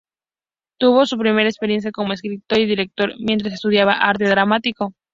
Tuvo su primera experiencia como escritor y director mientras estudiaba arte dramático.